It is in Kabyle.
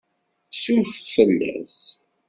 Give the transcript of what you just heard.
Suref fell-as!